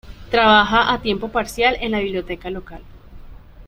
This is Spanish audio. Trabaja a tiempo parcial en la biblioteca local.